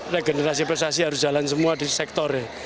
regenerasi prestasi harus jalan semua di sektor ya